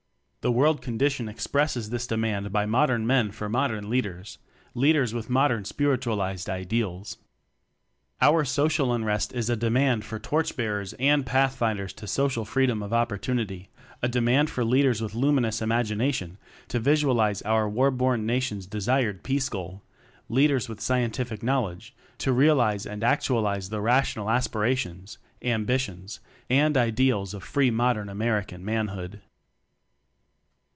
The "World condition" expresses this demand by modern men for mod ern leaders, leaders with modern spir itualized ideals. Our "Social Unrest" is a demand for torch bearers and pathfinders to social freedom of opportunity; a demand for leaders with luminous imagination to visualize our War born Nation's de sired Peace Goal; leaders with scien tific knowledge to realize and actualize the rational aspirations, ambitions, and ideals of free modern American Manhoood.